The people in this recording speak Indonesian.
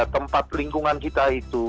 tempat lingkungan kita itu